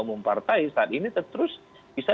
umum partai saat ini terus bisa